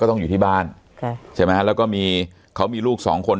ต้องอยู่ที่บ้านค่ะใช่ไหมฮะแล้วก็มีเขามีลูกสองคน